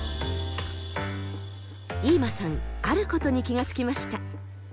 飯間さんあることに気が付きました。